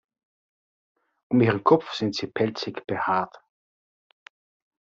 Um ihren Kopf sind sie pelzig behaart.